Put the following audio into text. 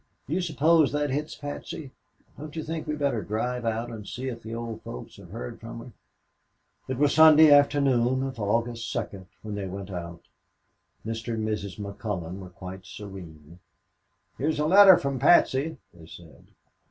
Do you suppose that hits Patsy? Don't you think we better drive out and see if the old folks have heard from her?" It was Sunday afternoon of August 2nd that they went out. Mr. and Mrs. McCullon were quite serene. "Here's a letter from Patsy," they said.